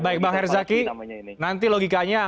baik bang herzaki nanti logikanya